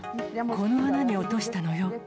この穴に落としたのよ。